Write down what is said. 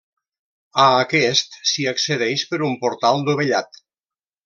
A aquest s'hi accedeix per un portal dovellat.